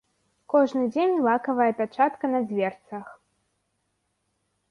Кожны дзень лакавая пячатка на дзверцах.